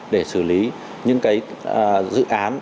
để xử lý những cái dự án